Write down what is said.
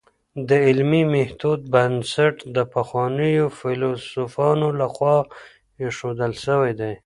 د علمي ميتود بنسټ د پخوانیو فيلسوفانو لخوا ايښودل سوی دی.